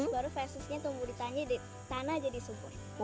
baru fesisnya tumbuh ditanah jadi supur